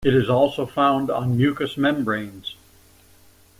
It is also found on mucous membranes.